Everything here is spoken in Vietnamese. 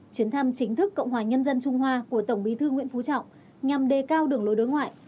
chuyến thăm chính thức cộng hòa nhân dân trung hoa của tổng bí thư nguyễn phú trọng nhằm đề cao đường lối đối ngoại